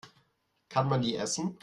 Kann man die essen?